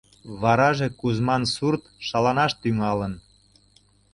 Вараже Кузьман сурт шаланаш тӱҥалын.